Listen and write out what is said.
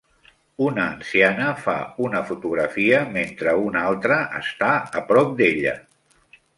Una anciana fa una fotografia mentre una altra està a prop d'ella.